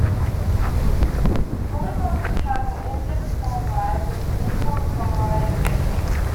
Guillemots have also performed live with political songwriter Get Cape.